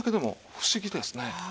不思議ですね。